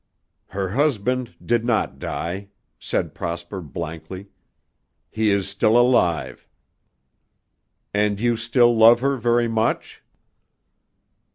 "Her husband did not die," said Prosper blankly; "he is still alive." "And you still love her very much?"